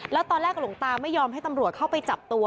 แล้วตอนแรกหลวงตาไม่ยอมให้ตำรวจเข้าไปจับตัว